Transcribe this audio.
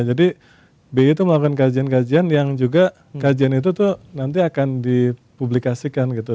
jadi bi itu melakukan kajian kajian yang juga kajian itu tuh nanti akan dipublikasikan gitu